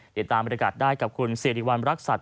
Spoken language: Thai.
ติดตามบริการได้กับคุณสิริวัณรักษัตริย